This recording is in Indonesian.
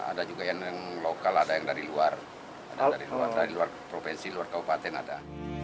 ada juga yang lokal ada yang dari luar dari luar provinsi luar kabupaten ada